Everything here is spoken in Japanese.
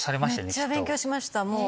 めっちゃ勉強しましたもう。